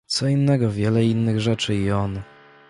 Co innego wiele innych rzeczy i on.